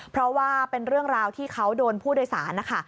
เพราะว่าเป็นเรื่องราวที่เขาโดนผู้โดยสารนะคะ